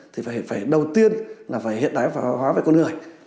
thì phải đầu tiên hiện đại hóa với con người